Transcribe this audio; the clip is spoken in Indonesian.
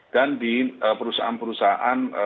dan di perusahaan perusahaan